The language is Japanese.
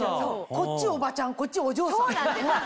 こっちおばちゃんこっちお嬢さん。